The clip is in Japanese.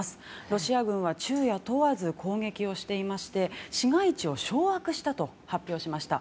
ロシア軍は昼夜問わず攻撃をしていまして市街地を掌握したと発表しました。